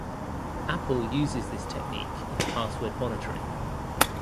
Apple uses this technique in Password Monitoring.